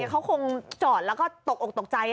เขาคงจอดแล้วก็ตกอกตกใจ